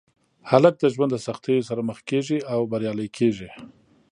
هلک د ژوند د سختیو سره مخ کېږي او بریالی کېږي.